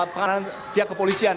pengamatan pihak kepolisian